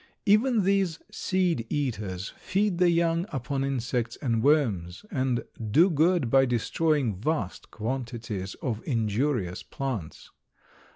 Even these seed eaters feed the young upon insects and worms, and do good by destroying vast quantities of injurious plants.